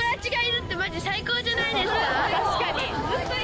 確かに。